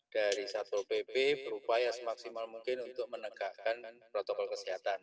dari satpol pp berupaya semaksimal mungkin untuk menegakkan protokol kesehatan